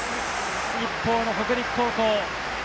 一方の北陸高校。